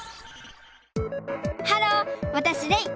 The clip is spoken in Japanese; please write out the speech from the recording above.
ハローわたしレイ！